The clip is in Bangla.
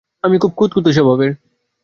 আমি খুব খুঁতখুঁতে স্বভাবের।